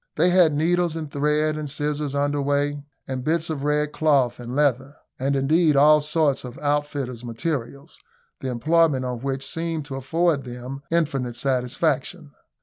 They had needles and thread and scissors under weigh, and bits of red cloth and leather, and indeed all sorts of outfitters' materials, the employment on which seemed to afford them infinite satisfaction.